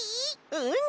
うん！